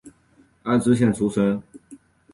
爱知县出身。